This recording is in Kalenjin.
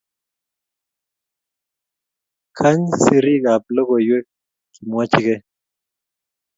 Kany serii ab logoiwek kimwochkei.